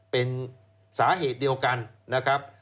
เป็นสาเหตุเดียวกันนะครับ